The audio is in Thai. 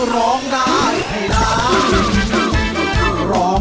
ร้องได้ให้ร้าน